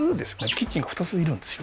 キッチンが２ついるんですよ